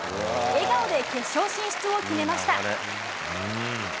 笑顔で決勝進出を決めました。